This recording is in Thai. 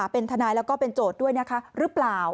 เป็นทนายแล้วก็เป็นโจทย์ด้วยนะคะหรือเปล่า